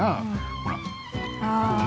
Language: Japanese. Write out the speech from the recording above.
ほら。